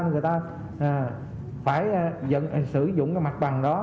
người ta phải sử dụng cái mặt bằng đó